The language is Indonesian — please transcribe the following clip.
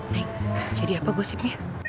neng jadi apa gosipnya